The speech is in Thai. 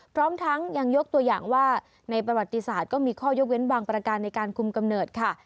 พร้อมทั้งยังยกตัวอย่างว่าในประวัติศาสตร์ก็มีข้อยกเว้นบางประการในการคุมกำเนิดค่ะ